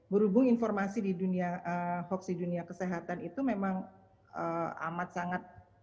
berhubung informasi di dunia hoax di dunia kesehatan itu memang amat sangat